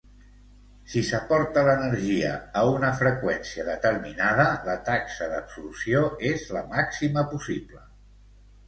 Si s'aporta l'energia a una freqüència determinada la taxa d'absorció és la màxima possible.